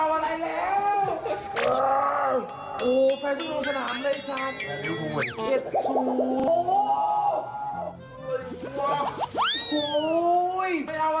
ไม่เอาอะไรร้าย